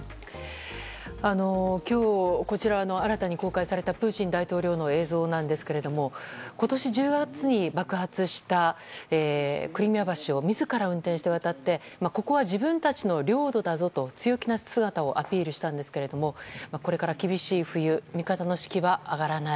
今日、こちら新たに公開されたプーチン大統領の映像ですが今年１０月に爆発したクリミア橋を自ら運転して渡ってここは自分たちの領土だぞと強気な姿をアピールしたんですがこれから厳しい冬味方の士気は上がらない。